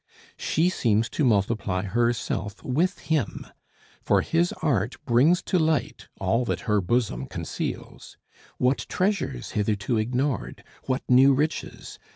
She seems to multiply herself with him, for his art brings to light all that her bosom conceals. What treasures hitherto ignored! What new riches!